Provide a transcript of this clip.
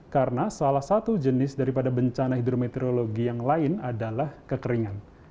karena salah satu jenis daripada bencana hidrometeorologi yang lain adalah kekeringan